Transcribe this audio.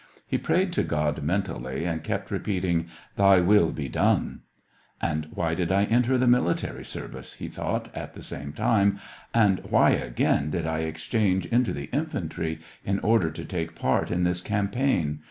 He prayed to God mentally, and kept repeating :" Thy will be done !"" And why did I enter the military service ?" he thought at the same time; and why, again, did I exchange into the infantry, in order to take part in this campaign